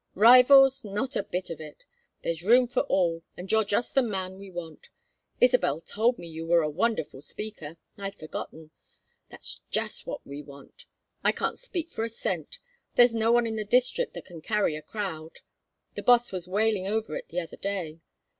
Rivals! Not a bit of it. There's room for all, and you're just the man we want. Isabel told me you were a wonderful speaker I'd forgotten. That's just what we want. I can't speak for a cent. There's no one in the district that can carry a crowd. The boss was wailing over it the other day.